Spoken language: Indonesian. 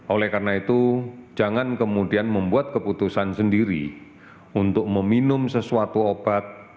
oleh karena itu jangan kemudian membuat keputusan sendiri untuk meminum sesuatu obat